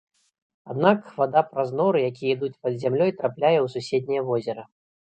Аднак, вада праз норы, якія ідуць пад зямлёй, трапляе ў суседняе возера.